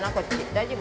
大丈夫？